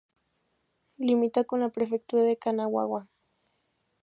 Limita con la Prefectura de Kanagawa.